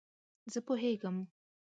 زه پوهیږم